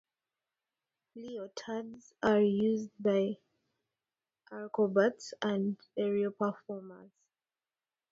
Leotards are used by acrobats and aerial performers.